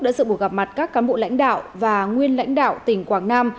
đã dự buổi gặp mặt các cán bộ lãnh đạo và nguyên lãnh đạo tỉnh quảng nam